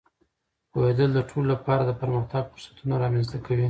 پوهېدل د ټولو لپاره د پرمختګ فرصتونه رامینځته کوي.